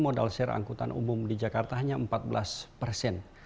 modal share angkutan umum di jakarta hanya empat belas persen